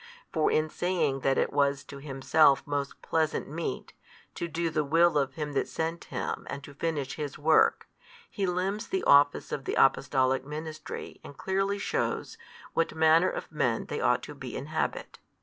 For in saying that it was to Himself most pleasant meat, to do the Will of Him that sent Him and to finish His Work, He limns the office of the Apostolic ministry and clearly shews, what manner of men they ought to be in habit.